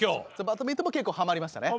バドミントンも結構はまりましたね。